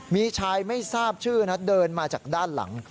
มีชายไม่ทราบชื่อนะเดินมาจากด้านหลัง